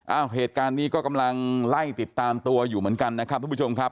เหตุการณ์นี้ก็กำลังไล่ติดตามตัวอยู่เหมือนกันนะครับทุกผู้ชมครับ